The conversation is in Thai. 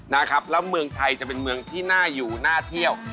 นะครับแล้วเมืองไทยจะเป็นเมืองที่น่าอยู่น่าเที่ยว